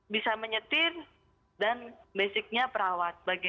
bisa menyetir dan basicnya perawat